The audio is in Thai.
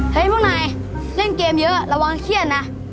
พวกนายเล่นเกมเยอะระวังเครียดนะ